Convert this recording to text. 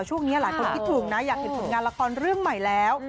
ช่วงนี้หลายคนคิดถึงนะอยากเห็นผลงานละครเรื่องใหม่แล้ว